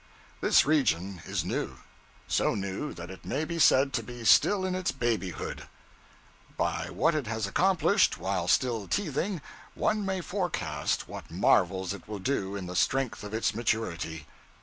This region is new; so new that it may be said to be still in its babyhood. By what it has accomplished while still teething, one may forecast what marvels it will do in the strength of its maturity.